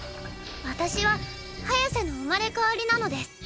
私はハヤセの生まれ変わりなのです！